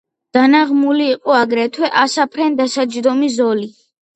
დანაღმული იყო აგრეთვე ასაფრენ-დასაჯდომი ზოლი.